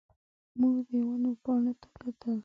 موږ د ونو پاڼو ته کتل.